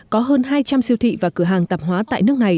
có hơn hai trăm linh siêu thị và cửa hàng tạp hóa tại nước này